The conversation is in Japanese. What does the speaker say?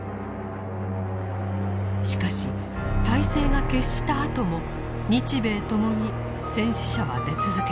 しかし大勢が決したあとも日米ともに戦死者は出続けました。